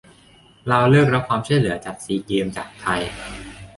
ลาวเลิกรับความช่วยเหลือจัด "ซีเกมส์" จากไทย